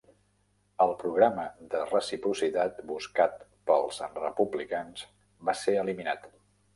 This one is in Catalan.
El programa de reciprocitat buscat pels republicans va ser eliminat.